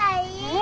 え？